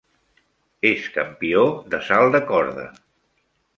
És campió de salt de corda.